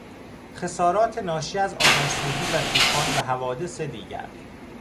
خسارات ناشی از آتشسوزی و توفان و حوادث دیگر